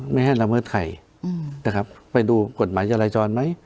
ไม่ให้ละเมิดใครนะครับไปดูกฎหมายจราจรไหม